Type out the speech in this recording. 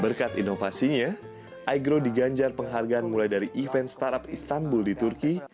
berkat inovasinya igrow diganjar penghargaan mulai dari event startup istanbul di turki